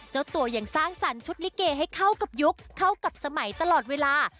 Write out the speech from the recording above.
เจ้าตัวยังสร้างสรรค์ชุดลิเกให้เข้ากับยุคเข้ากับสมัยตลอดเวลา